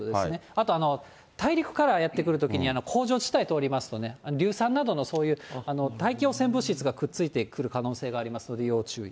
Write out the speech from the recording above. あと、大陸からやって来るときに工場地帯通りますとね、硫酸などのそういう大気汚染物質がくっついてくる可能性がありますので、要注意。